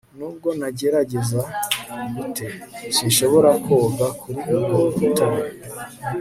Nubwo nagerageza gute sinshobora koga kuri urwo rutare